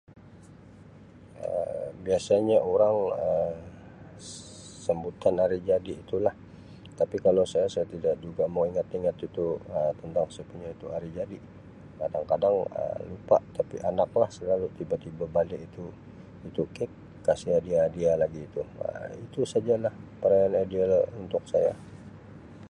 Um Biasanya urang Um sambutan hari jadi tulah tapi kalau saya, saya tidak juga mau ingat-ingat itu Um tentang saya punya tu hari jadi. Kadang-kadang Um lupa tapi anak lah selalu tiba-tiba bali itu kek kasi hadiah lagi itu Um itu sajalah [unintelligible]